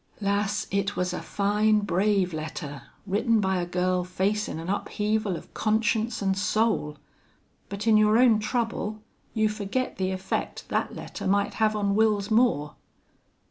"Lass, it was a fine, brave letter written by a girl facin' an upheaval of conscience an' soul. But in your own trouble you forget the effect that letter might have on Wils Moore."